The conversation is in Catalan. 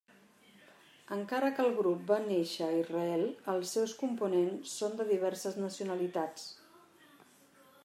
Encara que el grup va néixer a Israel els seus components són de diverses nacionalitats.